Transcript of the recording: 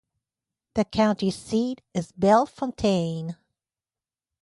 The county seat is Bellefontaine.